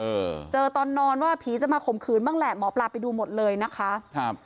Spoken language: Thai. เออเจอตอนนอนว่าผีจะมาข่มขืนบ้างแหละหมอปลาไปดูหมดเลยนะคะครับ